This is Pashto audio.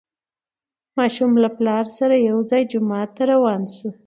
ماشوم له پلار سره یو ځای جومات ته روان شو